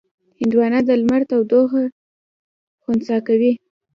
هندوانه د لمر تودوخه خنثی کوي.